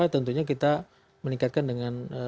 tentunya kita meningkatkan dengan